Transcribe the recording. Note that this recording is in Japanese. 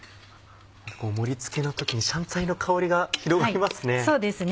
盛り付けの時に香菜の香りが広がりますね。